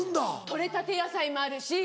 取れたて野菜もあるし。